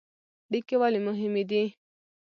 اړیکې ولې مهمې دي؟